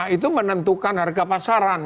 itu menentukan harga pasaran